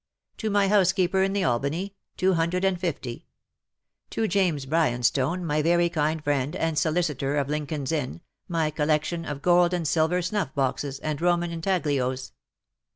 " To my housekeeper in the Albany, two hundred and fifty. " To James Bryanstone, my very kind friend and solicitor of Lincoln''s Inn, my collection of gold and silver snuff boxes, and Roman intaglios.